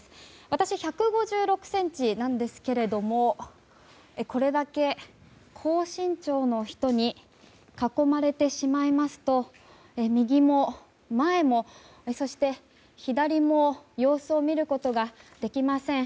私、１５６ｃｍなんですけれどもこれだけ高身長に人に囲まれてしまいますと右も、前も、そして左も様子を見ることができません。